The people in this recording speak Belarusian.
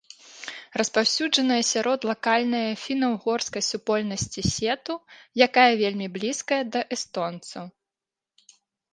Распаўсюджаная сярод лакальнае фіна-ўгорскай супольнасці сету, якая вельмі блізкая да эстонцаў.